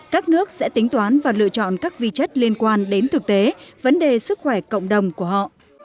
các nước sẽ tính toán và lựa chọn các vi chất liên quan đến thực tế vấn đề sức khỏe cộng đồng của họ